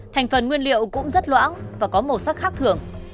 thành phần nguyên liệu cũng rất loãng và có màu sắc khác thưởng